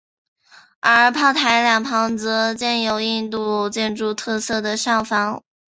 而炮台两旁则建有印度建筑特色的哨房。